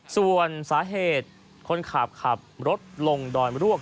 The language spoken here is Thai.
ส่วนสาเหตุคนขับขับรถลงดอยมรวก